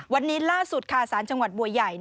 วันนี้ล่าสุดค่ะสารจังหวัดบัวใหญ่